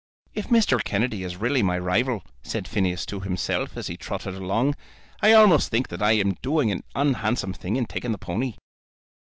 "If Mr. Kennedy is really my rival," said Phineas to himself, as he trotted along, "I almost think that I am doing an unhandsome thing in taking the pony."